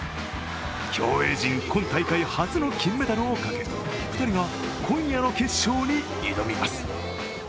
競泳陣今大会初の金メダルをかけ２人は今夜の決勝に挑みます。